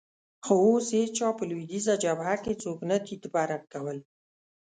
خو اوس هېڅ چا په لوېدیځه جبهه کې څوک نه تیت او پرک کول.